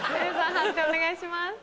判定お願いします。